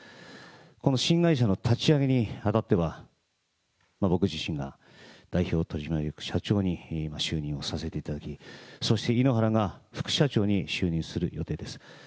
この新会社の立ち上げにあたっては、僕自身が代表取締役社長に就任をさせていただき、そして井ノ原が副社長に就任する予定です。